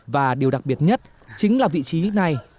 và điều đặc biệt nhất chính là vị trí này